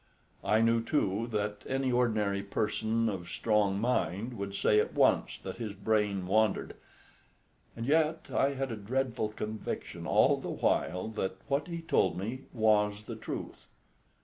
I knew, too, that any ordinary person of strong mind would say at once that his brain wandered, and yet I had a dreadful conviction all the while that what he told me was the truth.